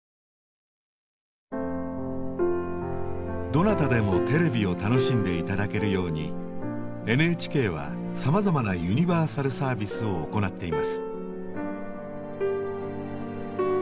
どなたでもテレビを楽しんで頂けるようにＮＨＫはさまざまなユニバーサルサービスを行っています。